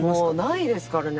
ないですからね。